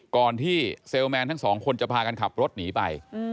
ก่อนที่เซลล์แมน๒คนจะพากันขับรถนีไป